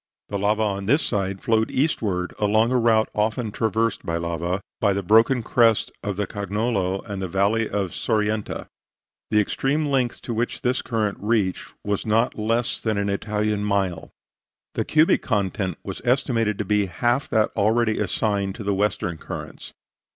The lava on this side flowed eastward, along a route often traversed by lava, by the broken crest of the Cognolo and the valley of Sorienta. The extreme length to which this current reached was not less than an Italian mile. The cubic content was estimated to be half that already assigned to the western currents.